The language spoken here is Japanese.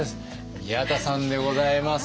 宮田さんでございます。